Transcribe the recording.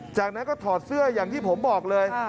จากนั้นก็ถอดเสื้ออย่างที่ผมบอกเลย